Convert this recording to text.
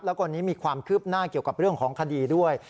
แล้ววันนี้มีความคืบหน้าเกี่ยวกับเรื่องของคดีด้วย